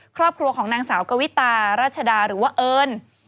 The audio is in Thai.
ครอบครัวของนางสาวกวิตารัชดาหรือว่าเอิญ